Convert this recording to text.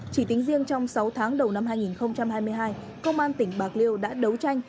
chỉ tính riêng trong sáu tháng đầu năm hai nghìn hai mươi hai công an tỉnh bạc liêu đã đấu tranh